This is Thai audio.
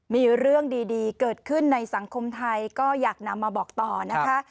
มีเรื่องดีเกิดขึ้นในสังคมไทยก็อยากนำมาบอกต่อนะคะ